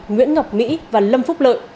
nguyễn ngọc mỹ và lâm phúc lợi